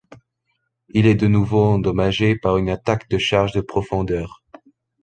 Il est de nouveau endommagé par une attaque de charges de profondeur.